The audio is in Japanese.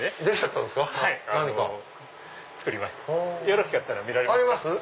よろしかったら見られますか？